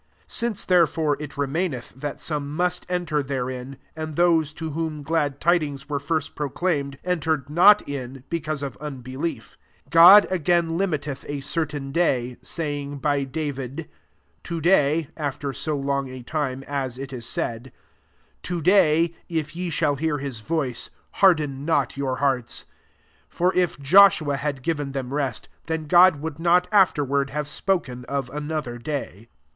6 Since therefore it remain elh tliat some muat enter there ^, and those, to whom glad tidings were first proclaimed, entered not in, because of unbe lief; 7 God again limiteth a certain day, saying by David, To day," after so long a time, as it is said, " To day if ye shall hear his voice, hsrrden not your hearts." 8 For if Joshua* had given them rest, then God would not afterward have spok en of another day.